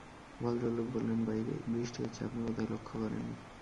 ভদ্রলোক বললেন, বাইরে বৃষ্টি হচ্ছে, আপনি বোধহয় লক্ষ করেননি।